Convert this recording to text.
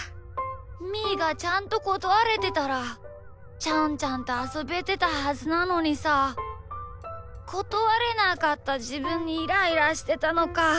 みーがちゃんとことわれてたらちゃんちゃんとあそべてたはずなのにさことわれなかったじぶんにイライラしてたのか。